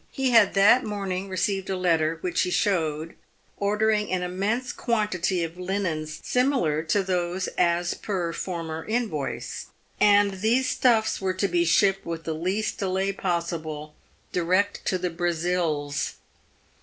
He had that morning received a letter — which he showed — ordering an immense quantity of linens similar to those " as per former invoice," and these stuffs were to be shipped with the least delay possible direct to the Brazils.